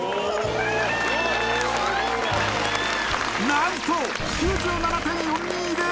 何と９７．４２０！